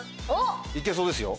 いけそうですよ。